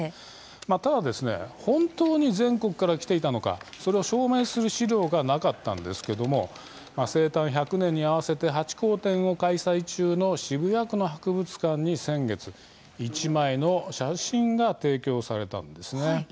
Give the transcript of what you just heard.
ただ本当に全国から来ていたのかそれを証明する史料がなかったんですけれども生誕１００年にあわせてハチ公展を開催中の渋谷区の博物館に先月１枚の写真が提供されたんです。